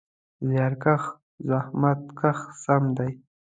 زیارکښ: زحمت کښ سم دی.